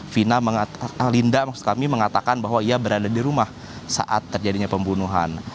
fina mengatakan linda maksud kami mengatakan bahwa ia berada di rumah saat terjadinya pembunuhan